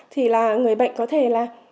thì là người bệnh có thể là